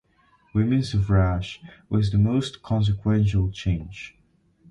Women's suffrage was the most consequential change.